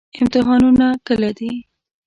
امتحانونه کله دي؟